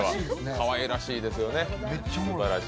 かわいらしいですね。